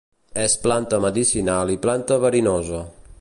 És planta medicinal i planta verinosa.